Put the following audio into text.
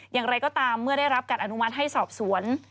อย่างไรก็ตามเมื่อได้รับการอนุมัติให้สอบสวน